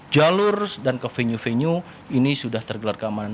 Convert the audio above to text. jalur dan ke venue venue ini sudah tergelar keamanan